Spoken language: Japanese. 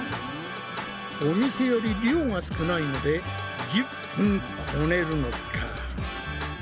お店より量が少ないので１０分こねるのか。